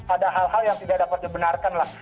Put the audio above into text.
ada hal hal yang tidak dapat dibenarkan lah